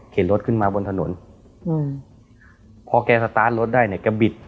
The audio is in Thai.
รถขึ้นมาบนถนนอืมพอแกสตาร์ทรถได้เนี่ยแกบิด